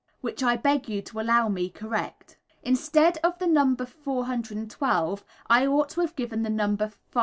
which I beg you to allow me correct. Instead of the number 412, I ought to have given the number 539.